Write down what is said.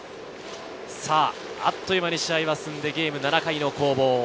あっという間に試合が進んでゲーム７回の攻防。